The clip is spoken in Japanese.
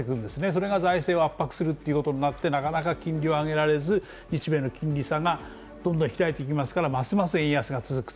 それが財政を圧迫することになってなかなか金利を上げられず、日米の金利差がどんどん開いていきますからますます円安が続く。